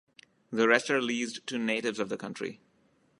The rest are leased to natives of the country.